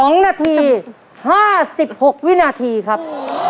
๒นาที๕๖วินาทีครับ